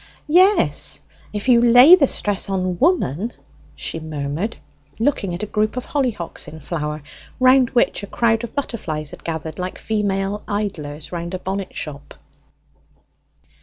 "Yes; if you lay the stress on 'woman,'" she murmured, looking at a group of hollyhocks in flower, round which a crowd of butterflies had gathered like female idlers round a bonnet shop.